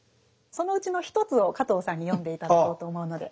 そのうちの１つを加藤さんに読んで頂こうと思うので。